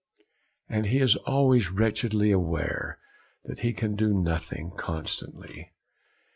And he is always wretchedly aware that he 'can do nothing constantly.'